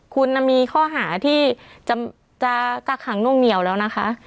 คุณน่ะมีข้อหาที่จะจะกระขังโน่งเหนียวแล้วนะคะ